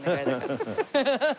アハハハ。